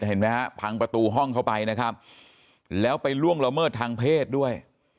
เห็นไหมฮะพังประตูห้องเข้าไปนะครับแล้วไปล่วงละเมิดทางเพศด้วย